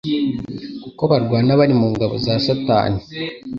kuko barwana bari mu ngabo za Satani.